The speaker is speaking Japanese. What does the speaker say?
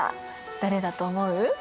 誰だと思う？